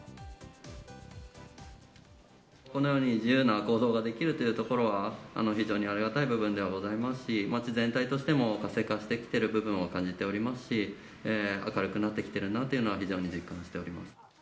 このように自由な行動ができるということは、非常にありがたい部分ではございますし、街全体としても活性化してきてる部分を感じておりますし、明るくなってきているなというのは、非常に実感しております。